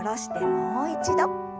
もう一度。